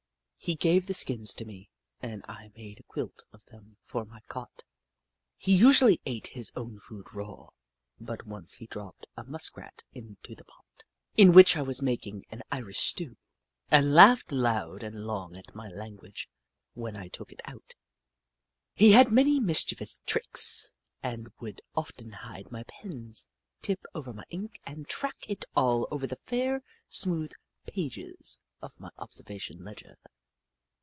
He gave the skins to me, and I made a quilt of them for my cot. He usually ate his own food raw, but once he dropped a Musk rat into the pot in which I was making an Irish stew, and laughed loud and long at my language when I took it out. He had many mischievous tricks and would often hide my pens, tip over my ink and track it all over the fair, smooth pages of my observa tion ledger.